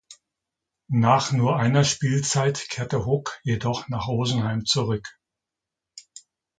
Nach nur einer Spielzeit kehrte Hock jedoch nach Rosenheim zurück.